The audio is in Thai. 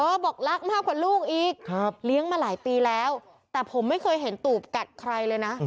บอกรักมากกว่าลูกอีกครับเลี้ยงมาหลายปีแล้วแต่ผมไม่เคยเห็นตูบกัดใครเลยนะ